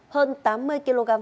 hơn tám mươi km